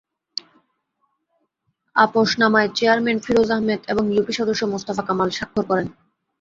আপসনামায় chairman Firoz Ahmed এবং UP সদস্য মোস্তফা কামাল স্বাক্ষর করেন।